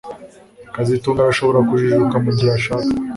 kazitunga arashobora kujijuka mugihe ashaka